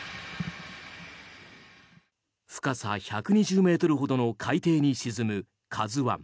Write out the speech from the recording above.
深さ１２０ｍほどの海底に沈む「ＫＡＺＵ１」。